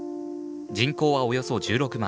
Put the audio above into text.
人口はおよそ１６万。